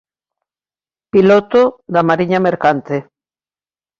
Piloto da mariña mercante.